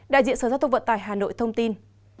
đại diện sở giao thông vận tải hà nội thông tin